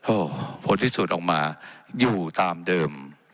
โอ้ผลที่สูดออกมาอยู่ตามเดิม